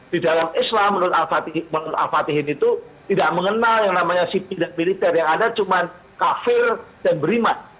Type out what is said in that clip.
di dalam islam menurut al fatihin itu tidak mengenal yang namanya sipi dan militer yang ada cuma kafir dan beriman